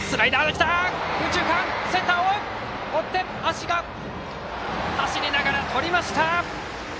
センター走りながらとりました。